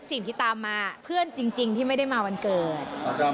สิ่งที่ตามมาเพื่อนจริงที่ไม่ได้มาวันเกิด